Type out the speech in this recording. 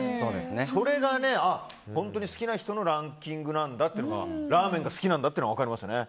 それが、本当に好きな人のランキングなんだとラーメンが好きなんだっていうのが分かりましたね。